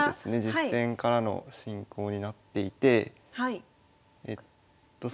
実戦からの進行になっていてそうですね